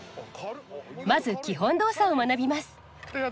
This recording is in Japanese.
まず基本動作を学びます。